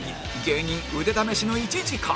芸人腕試しの１時間